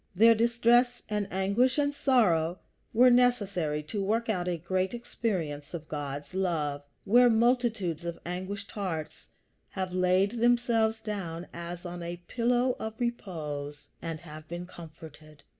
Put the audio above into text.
Their distress and anguish and sorrow were necessary to work out a great experience of God's love, where multitudes of anguished hearts have laid themselves down as on a pillow of repose, and have been comforted.